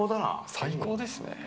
最高ですね。